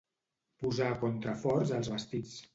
Posar contraforts als vestits.